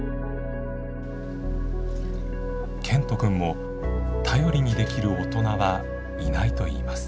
健人くんも頼りにできる大人はいないと言います。